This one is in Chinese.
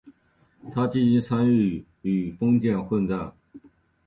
他积极参与封建混战。